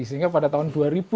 sehingga pada tahun dua ribu